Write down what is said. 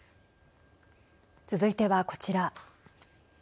続いてはこちら。